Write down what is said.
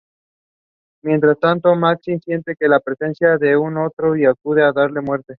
Mientras tanto, Maxim siente la presencia de un Otro y acude a darle muerte.